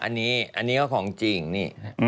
อันนี้อันนี้ก็ของจริงนี่